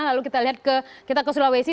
lalu kita lihat kita ke sulawesi